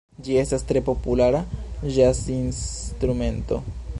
Ĝi estas tre populara ĵaz-instrumento.